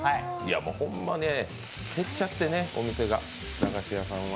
ほんまね、減っちゃってね、駄菓子屋さんは。